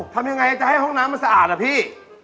ทำยังไงจะให้ห้องน้ำมันสะอาดอะพี่